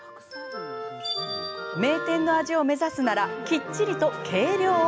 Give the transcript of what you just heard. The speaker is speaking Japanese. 名店の味を目指すならきっちりと計量を。